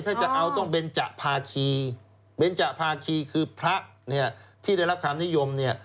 ถ้าจะเอาต้องเบนจะพาคีเบนจะพาคีคือพระที่ได้รับคำนิยม